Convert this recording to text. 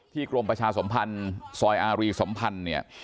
ที่กรมประชาสมพันธ์สอยอารีสมพันธ์